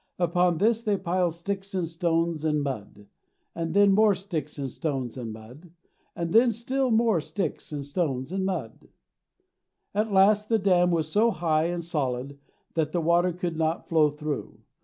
Upon this they piled sticks and stones and mud, and then more sticks and stones and mud, and then still more sticks and stones and mud. At last the dam was so high and solid that the water could not flow through.